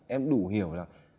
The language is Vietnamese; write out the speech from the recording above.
em đủ hiểu là